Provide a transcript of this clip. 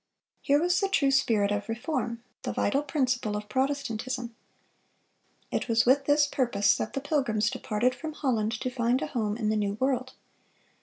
(434) Here was the true spirit of reform, the vital principle of Protestantism. It was with this purpose that the Pilgrims departed from Holland to find a home in the New World.